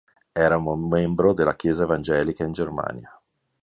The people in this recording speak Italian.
Era un membro della Chiesa evangelica in Germania.